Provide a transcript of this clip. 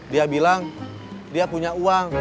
dia bilang dia punya uang